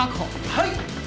はい！